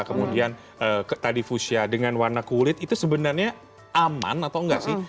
kemudian tadi fusia dengan warna kulit itu sebenarnya aman atau enggak sih